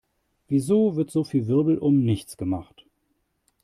Wieso wird so viel Wirbel um nichts gemacht?